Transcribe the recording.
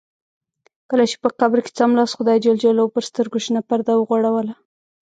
کله چې په قبر کې څملاست خدای جل جلاله پر سترګو شنه پرده وغوړوله.